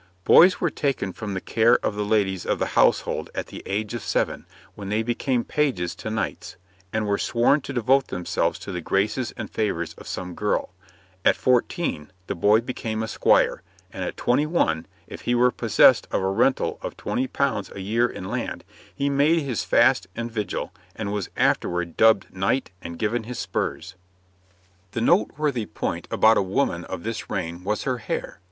Boys were taken from the care of the ladies of the household at the age of seven, when they became pages to knights, and were sworn to devote themselves to the graces and favours of some girl. At fourteen the boy became a squire, and at twenty one, if he were possessed of a rental of £20 a year in land, he made his fast and vigil, and was afterward dubbed knight and given his spurs. [Illustration: {Twelve hair arrangements for women}] The noteworthy point about a woman of this reign was her hair.